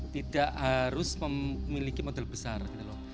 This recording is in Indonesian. tidak harus memiliki modal besar gitu loh